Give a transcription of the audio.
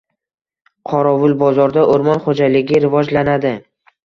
Qorovulbozorda o‘rmon xo‘jaligi rivojlanadi